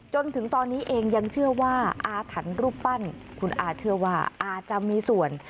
จนถึงตอนนี้เองยังเชื่อว่าอาถรรพ์รูปปั้นคุณอาเชื่อว่าอาจจะมีส่วน